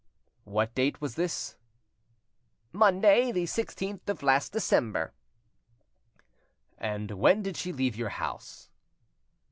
"What date was this?" "Monday, the 16th of last December." "And when did she leave your house?"